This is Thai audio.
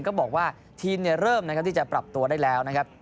ก็บอกว่าทีมเริ่มนะครับที่จะปรับตัวได้แล้วนะครับ